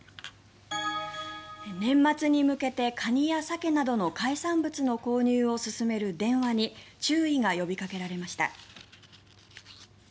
年末に向けてカニやサケなどの海産物の購入を勧める電話に注意が呼びかけられました。